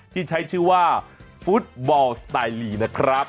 ที่ใช้ชื่อว่าฟุตบอลสไตลลีนะครับ